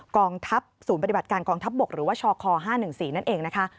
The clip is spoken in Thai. กองทัพศูนย์ปฏิบัติการกองทัพบกหรือว่าชค๕๑๔นั่นเองนะคะ